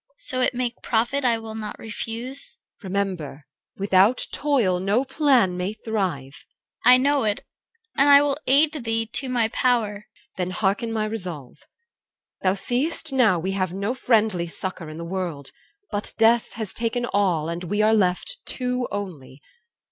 CHR. So it make profit, I will not refuse. EL. Remember, without toil no plan may thrive! CHR. I know it, and will aid thee to my power. EL. Then hearken my resolve. Thou seëst now, We have no friendly succour in the world; But death has taken all, and we are left Two only.